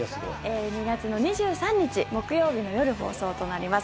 ２月の２３日木曜日の夜放送となります。